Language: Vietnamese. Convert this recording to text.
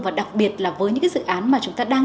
và đặc biệt là với những cái dự án mà chúng ta đang